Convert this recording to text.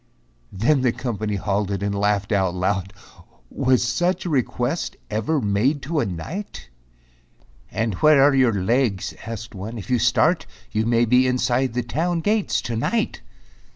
Then the company halted and laughed out loud. "Was such a request ever made to a knight?" "And where are your legs," asked one, "if you start, You may be inside the town gates to night."